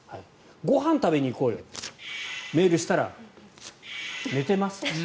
ご飯食べに行こうよとメールしたら、寝てますと。